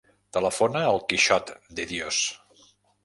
Telefona al Quixot De Dios.